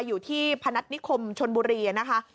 อยู่ที่พนัฐนิคมชนบุรีนะคะ